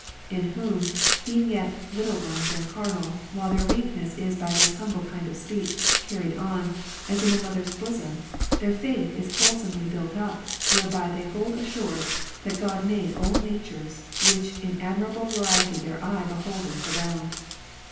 In whom, being yet little ones and carnal, while their weakness is by this humble kind of speech, carried on, as in a mother's bosom, their faith is wholesomely built up, whereby they hold assured, that God made all natures, which in admirable variety their eye beholdeth around.